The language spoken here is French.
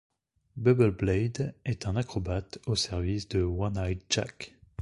Bubble Blade est un acrobate au service de One-Eyed Jack.